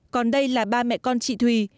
còn đây là ba mẹ con chị thùy